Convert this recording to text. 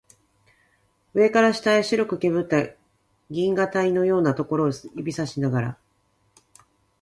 上から下へ白くけぶった銀河帯のようなところを指さしながら